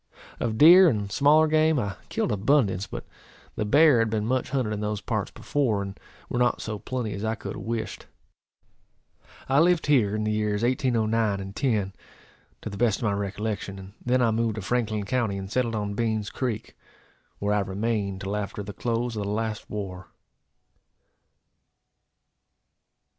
Of deer and smaller game I killed abundance; but the bear had been much hunted in those parts before, and were not so plenty as I could have wished. I lived here in the years 1809 and '10, to the best of my recollection, and then I moved to Franklin county, and settled on Beans creek, where I remained till after the close of the last war.